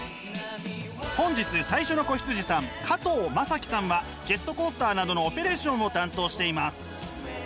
本日最初の子羊さん加藤正貴さんはジェットコースターなどのオペレーションを担当しています。